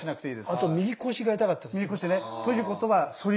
あと右腰が痛かったです。